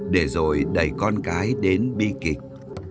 để rồi đẩy con gái đến bi kịch